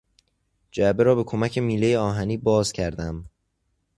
جعبه را به کمک میلهی آهنی باز کردم.